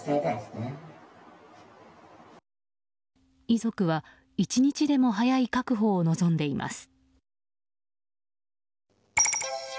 遺族は１日でも早い確保を望んでいます。